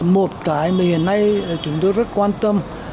một cái mà hiện nay chúng tôi rất quan tâm